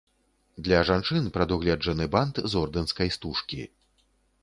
Для жанчын прадугледжаны бант з ордэнскай стужкі.